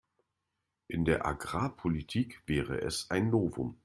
In der Agrarpolitik wäre es ein Novum.